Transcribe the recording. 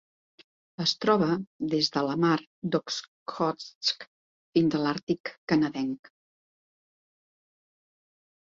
Es troba des de la Mar d'Okhotsk fins a l'Àrtic canadenc.